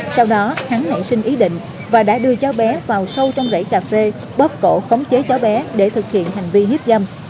sau đó hắn nảy sinh ý định và đã đưa cháu bé vào sâu trong rẫy cà phê bóp cổ khống chế cháu bé để thực hiện hành vi hiếp dâm